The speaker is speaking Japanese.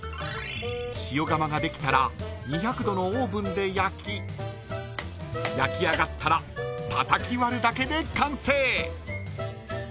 塩釜ができたら２００度のオーブンで焼き焼き上がったらたたき割るだけで完成。